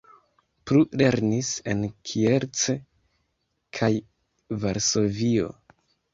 Plu lernis en Kielce kaj Varsovio.